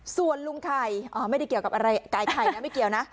ส่วนลุงไข่ไม่ได้เกี่ยวกับอะไรไก่ไข่นะไม่เกี่ยวนะ